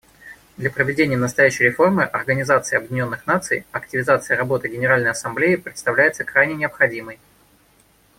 Для проведения настоящей реформы Организации Объединенных Наций активизация работы Генеральной Ассамблеи представляется крайне необходимой.